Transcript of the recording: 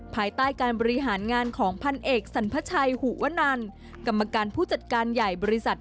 ภายใต้การบริหารงานของพันเอกสรรพชัยหุวนันกรรมการผู้จัดการใหญ่บริษัท